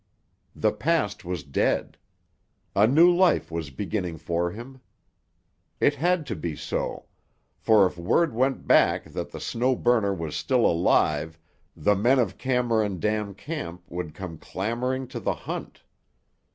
The past was dead. A new life was beginning for him. It had to be so, for if word went back that the Snow Burner was still alive the men of Cameron Dam Camp would come clamouring to the hunt.